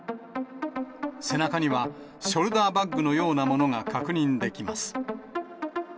背中には、ショルダーバッグのようなものが確認できます。